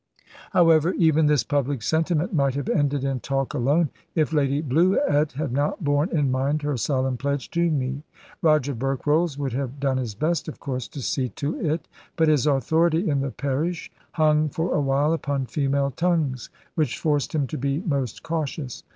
However, even this public sentiment might have ended in talk alone, if Lady Bluett had not borne in mind her solemn pledge to me. Roger Berkrolles would have done his best, of course, to see to it; but his authority in the parish hung for a while upon female tongues, which forced him to be most cautious.